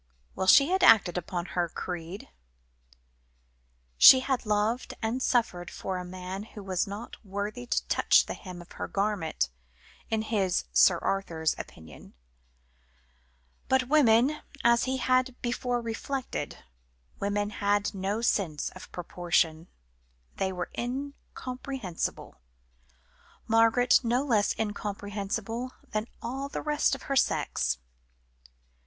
Well, she had acted up to her creed. She had loved and suffered for a man who was not worthy to touch the hem of her garment, in his, Sir Arthur's, opinion; but women, as he had before reflected, women had no sense of proportion; they were incomprehensible; Margaret no less incomprehensible than all the rest of her sex.